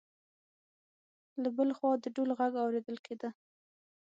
له بل خوا د ډول غږ اوریدل کېده.